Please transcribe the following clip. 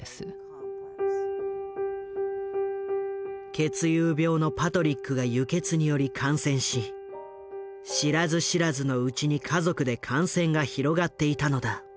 血友病のパトリックが輸血により感染し知らず知らずのうちに家族で感染が広がっていたのだ。